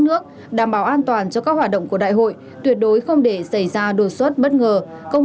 nước đảm bảo an toàn cho các hoạt động của đại hội tuyệt đối không để xảy ra đột xuất bất ngờ công